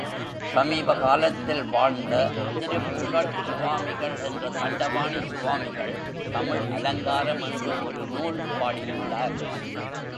சமீப காலத்தில் வாழ்ந்த திருப்புகழ்ச் சுவாமிகள் என்ற தண்டபாணி சுவாமிகள் தமிழ் அலங்காரம் என்று ஒரு நூல் பாடியுள்ளார்.